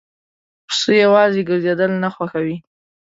پسه یواځی ګرځېدل نه خوښوي.